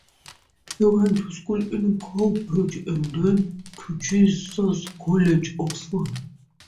He went to school in Cowbridge and then to Jesus College, Oxford.